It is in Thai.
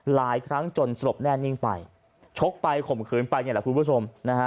หลายครั้งจนสลบแน่นิ่งไปชกไปข่มขืนไปเนี่ยแหละคุณผู้ชมนะฮะ